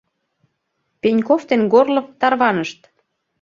Пеньков ден Горлов тарванышт.